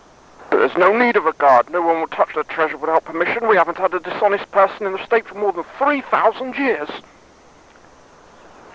"But there's no need of a guard. No one will touch the Treasure without permission. We haven't had a dishonest person in the State for more than three thousand years."